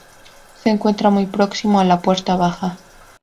Se encuentra muy próximo a la Puerta Baja.